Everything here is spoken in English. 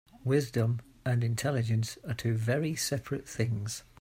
Wisdom and intelligence are two very seperate things.